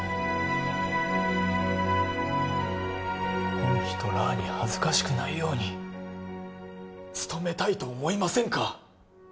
ほん人らに恥ずかしくないように勤めたいと思いませんか？